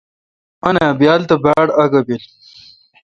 آں نا ۔بیال تہ باڑ آگہ بیل۔